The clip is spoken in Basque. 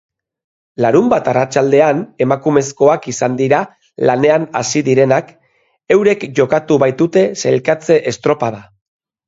Larunbat arratsaldean emakumezkoak izan dira lanean hasi direnak, eurek jokatu baitute sailkatze-estropada.